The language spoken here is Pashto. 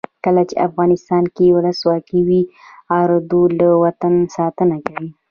کله چې افغانستان کې ولسواکي وي اردو له وطنه ساتنه کوي.